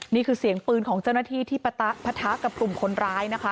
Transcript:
นี่คือเสียงปืนของเจ้าหน้าที่ที่ปะทะกับกลุ่มคนร้ายนะคะ